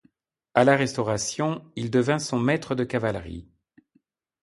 À la Restauration, il devint son Maître de cavalerie.